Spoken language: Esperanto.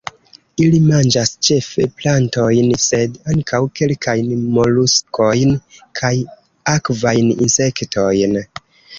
Ili manĝas ĉefe plantojn, sed ankaŭ kelkajn moluskojn kaj akvajn insektojn.